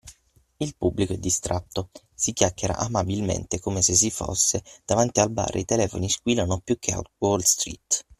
Il pubblico è distratto, si chiacchiera amabilmente come se si fosse davanti al bar e i telefoni squillano più che a wall street.